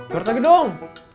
duh udah lagi dong